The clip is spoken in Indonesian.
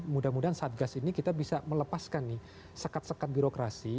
mudah mudahan saat gas ini kita bisa melepaskan sekat sekat birokrasi